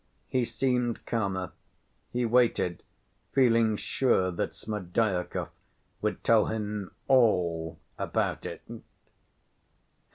He seemed calmer. He waited, feeling sure that Smerdyakov would tell him all about it.